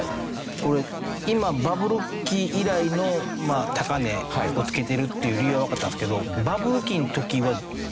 これ今バブル期以来の高値を付けてるっていう理由はわかったんですけど。